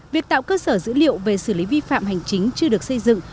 việc tạo cơ sở dữ liệu về xử lý vi phạm hành chính chưa được xây dựng